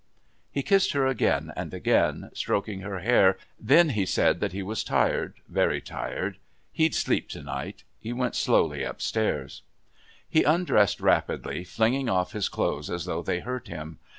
He kissed her again and again, stroking her hair, then he said that he was tired, very tired he'd sleep to night. He went slowly upstairs. He undressed rapidly, flinging off his clothes as though they hurt him.